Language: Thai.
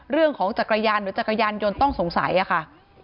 เรื่องของจักรายานหรือจักรายานโยนต้องสงสัยหรือค่ะ